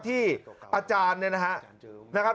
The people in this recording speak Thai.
ที่อาจารย์เนี่ยนะครับ